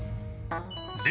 で